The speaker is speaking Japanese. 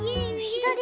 ひだり。